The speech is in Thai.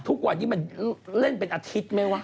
ทุกวันนี้มันเล่นเป็นอาทิตย์ไหมวะ